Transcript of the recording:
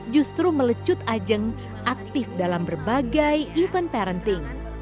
justru melecut ajeng aktif dalam berbagai event parenting